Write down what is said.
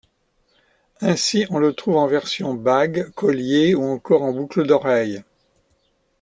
Ainsi, on le trouve en version bague, collier ou encore en boucles d'oreilles.